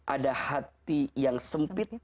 ada hati yang sempit